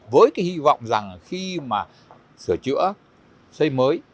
với cái hy vọng rằng khi mà sửa chữa xây mới